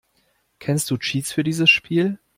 Kennst du Cheats für dieses Spiel?